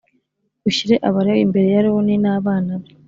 Ushyire Abalewi imbere ya Aroni n’ abana be